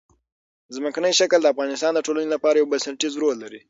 ځمکنی شکل د افغانستان د ټولنې لپاره یو بنسټيز رول لري.